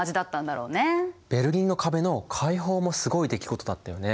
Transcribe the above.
ベルリンの壁の開放もすごい出来事だったよね。